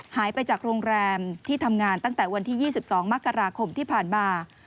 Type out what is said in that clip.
หายไปจากโรงแรมที่ทำงานตั้งแต่วันที่๒๒มกราคมที่ผ่านมา